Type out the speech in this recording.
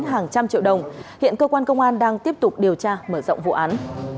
hàng trăm triệu đồng hiện cơ quan công an đang tiếp tục điều tra mở rộng vụ án